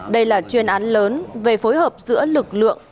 đây là chuyên án lớn về phối hợp giữa lực lượng